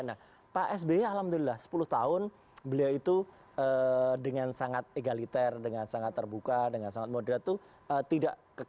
nah pak sby alhamdulillah sepuluh tahun beliau itu dengan sangat egaliter dengan sangat terbuka dengan sangat moderat itu tidak ke kanan tidak ke kiri